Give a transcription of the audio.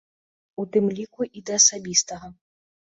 У тым ліку і да асабістага.